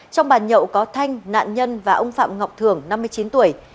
trong bàn nhậu có thanh nạn nhân và ông phạm ngọc thường năm mươi chín tuổi